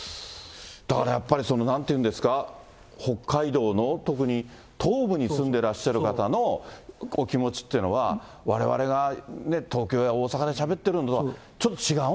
だからやっぱり、なんていうんですか、北海道の、特に東部に住んでらっしゃる方のお気持ちというのは、われわれが東京や大阪でしゃべってるのとは、ちょっと違う。